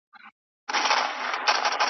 لا« څشي غواړی» له واکمنانو .